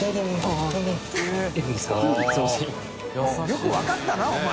よく分かったなお前。